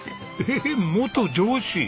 えっ元上司！？